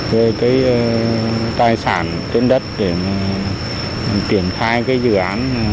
về tài sản tiến đất để tiển khai dự án